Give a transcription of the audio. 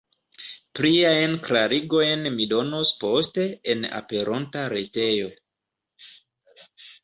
Pliajn klarigojn mi donos poste en aperonta retejo.